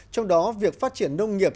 trong đó việc phát triển nông nghiệp